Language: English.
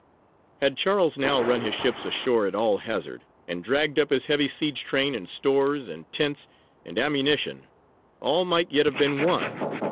Had Charles now run his ships ashore at all hazard, and dragged up his heavy siege train and stores and tents and ammunition, all might yet have been won.